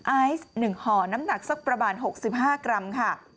ไอซ์๑ห่อน้ำหนักสักประมาณ๖๕กรัมค่ะ